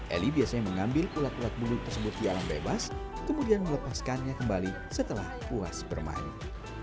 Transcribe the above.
eli biasanya mengambil ulat ulat bulu tersebut di alam bebas kemudian melepaskannya kembali setelah puas bermain